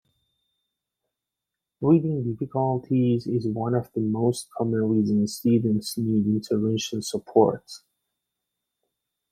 Reading difficulties is one of the most common reasons students need intervention support.